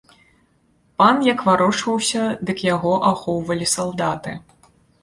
Пан як варочаўся, дык яго ахоўвалі салдаты.